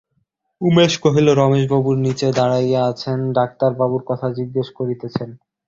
উমেশ কহিল, রমেশবাবু নীচে দাঁড়াইয়া আছেন, ডাক্তারবাবুর কথা জিজ্ঞাসা করিতেছেন।